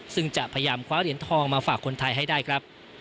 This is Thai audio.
ซึ่งจะพยายามคว้าเหรียญทองมาฝากคนไทยให้ได้ครับ